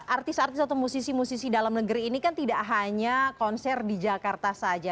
artis artis atau musisi musisi dalam negeri ini kan tidak hanya konser di jakarta saja